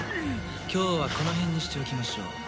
今日はこの辺にしておきましょう。